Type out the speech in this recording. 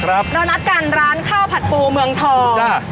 เรานัดกันร้านข้าวผัดปูเมืองทองจ้ะ